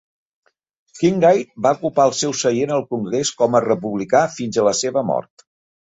Kinkaid va ocupar el seu seient al congrés com a republicà fins a la seva mort.